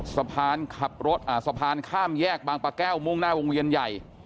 สะพานขับรถสะพานข้ามแยกบางปะแก้วมุ่งหน้าวงเวียนใหญ่